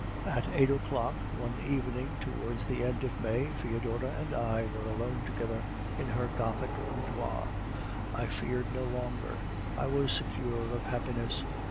"At eight o'clock one evening towards the end of May, Foedora and I were alone together in her gothic boudoir. I feared no longer; I was secure of happiness.